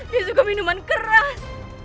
dia suka minuman keras